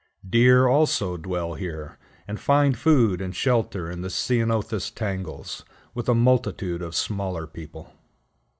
Deer, also, dwell here, and find food and shelter in the ceanothus tangles, with a multitude of smaller people.